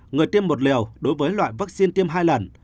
người tiêm một liều đối với loại vaccine tiêm hai lần